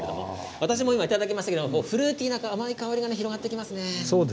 私も今いただきましたけどフルーティーな甘い香りが広がってきますね。